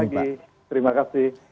selamat pagi terima kasih